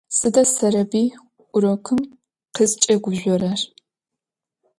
Сыда Сэрэбый урокым къызкӏэгужъорэр?